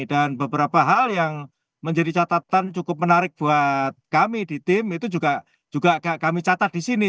dan beberapa hal yang menjadi catatan cukup menarik buat kami di tim itu juga kami catat di sini